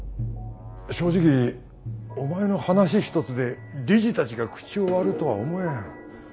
正直お前の話一つで理事たちが口を割るとは思えん。